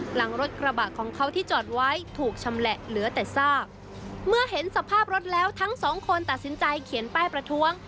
หลังรถกระบะของเขาที่จอดไว้ถูกชำแหละเหลือแต่ซากเมื่อเห็นสภาพรถแล้วทั้งสองคนตัดสินใจเขียนป้ายประท้วง